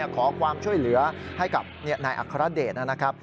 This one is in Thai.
ขอความช่วยเหลือให้กับนายอัครเดชนะครับ